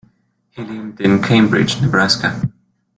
He lived in Cambridge, Nebraska.